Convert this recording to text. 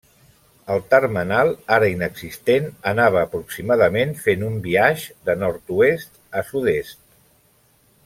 El termenal, ara inexistent, anava aproximadament fent un biaix de nord-oest a sud-est.